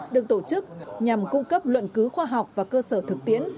được tổ chức nhằm cung cấp luận cứu khoa học và cơ sở thực tiễn